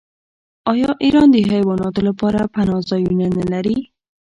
آیا ایران د حیواناتو لپاره پناه ځایونه نلري؟